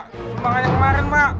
sumbangannya kemarin pak